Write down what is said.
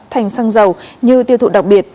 thành xăng dầu như tiêu thụ đặc biệt